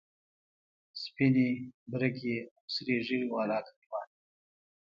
سپینې، برګې او سرې ږیرې والا کلیوال.